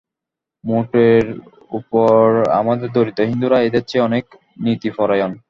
মোটের উপর আমাদের দরিদ্র হিন্দুরা এদের চেয়ে অনেক নীতিপরায়ণ।